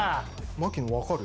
槙野分かる？